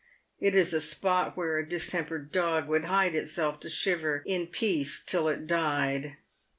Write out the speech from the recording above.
It is a spot where a distempered dog would hide itself to shiver in peace till it died.